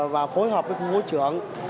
và phối hợp với khu vô trưởng